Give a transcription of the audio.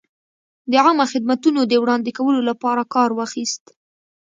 د عامه خدمتونو د وړاندې کولو لپاره کار واخیست.